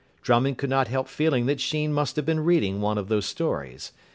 Drummond could not help feeling that Sheen must have been reading one of these stories.